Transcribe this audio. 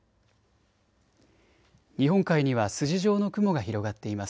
日本海には筋状の雲が広がっています。